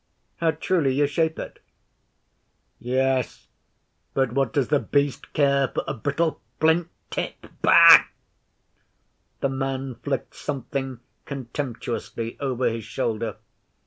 'How truly you shape it!' 'Yes, but what does The Beast care for a brittle flint tip? Bah!' The man flicked something contemptuously over his shoulder.